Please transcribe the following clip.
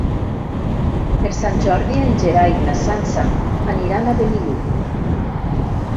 Per Sant Jordi en Gerai i na Sança aniran a Benillup.